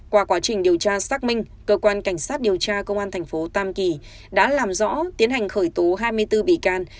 qua quá trình điều tra xác minh cơ quan cảnh sát điều tra công an thành phố tam kỳ đã làm rõ tiến hành khởi tố hai mươi bốn bị can